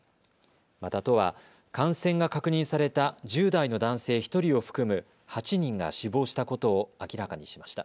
また都は感染が確認された１０代の男性１人を含む８人が死亡したことを明らかにしました。